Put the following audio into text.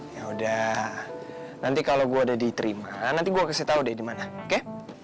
yaudah nanti kalau gue udah diterima nanti gue kasih tau deh dimana oke